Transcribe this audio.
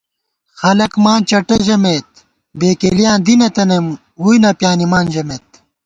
خلک ماں چٹہ ژَمېت بېکېلِیاں دِی نہ تنَئیم ووئی نہ پیانِمان ژمېت